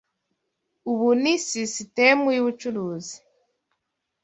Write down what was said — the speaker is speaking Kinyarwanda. Ubu ni sisitemu yubucucu.